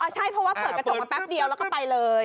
ใช่เพราะว่าเปิดกระจกมาแป๊บเดียวแล้วก็ไปเลย